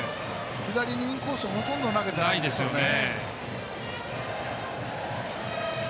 左にインコースほとんど投げてないですよね。